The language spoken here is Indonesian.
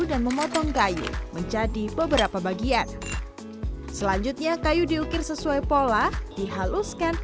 dan memotong kayu menjadi beberapa bagian selanjutnya kayu diukir sesuai pola dihaluskan